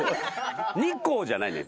日光じゃないねん。